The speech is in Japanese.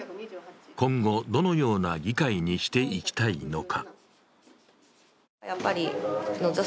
今後、どのような議会にしていきたいのか。